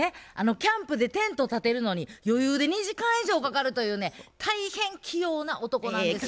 キャンプでテントたてるのに余裕で２時間以上かかるというね大変器用な男なんですよ。